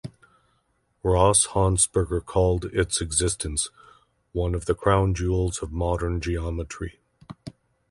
Ross Honsberger called its existence "one of the crown jewels of modern geometry".